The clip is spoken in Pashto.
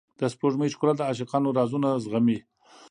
د سپوږمۍ ښکلا د عاشقانو رازونه زغمي.